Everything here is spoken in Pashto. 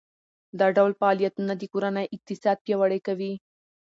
دا ډول فعالیتونه د کورنۍ اقتصاد پیاوړی کوي.